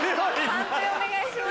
判定お願いします。